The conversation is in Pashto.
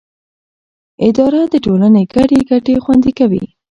اداره د ټولنې ګډې ګټې خوندي کوي.